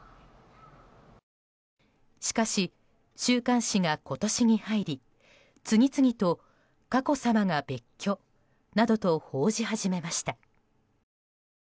しかし、週刊誌が今年に入り次々と佳子さまが別居などと報じ始めました。